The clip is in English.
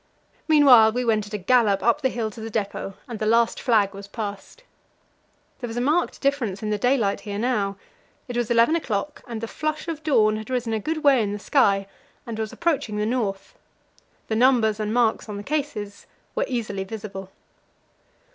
Meanwhile we went at a gallop up the hill to the depot, and the last flag was passed. There was a marked difference in the daylight here now. It was eleven o'clock, and the flush of dawn had risen a good way in the sky and was approaching the north. The numbers and marks on the cases were easily visible.